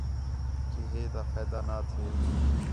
کہ ہے تا فائدہ نہ تھے